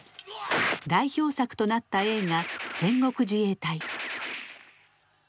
代表作となった映画「戦国自衛隊」。